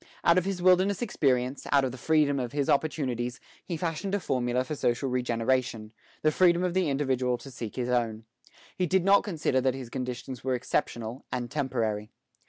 Out of his wilderness experience, out of the freedom of his opportunities, he fashioned a formula for social regeneration, the freedom of the individual to seek his own. He did not consider that his conditions were exceptional and temporary.